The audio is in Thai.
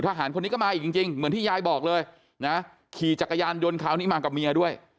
ทหารคนนี้ก็มาอีกจริงเหมือนที่ยายบอกเลยนะขี่จักรยานยนต์คราวนี้มากับเมียด้วย